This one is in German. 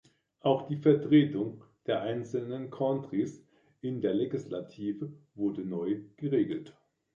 Auch die Vertretung der einzelnen Countys in der Legislative wurde neu geregelt.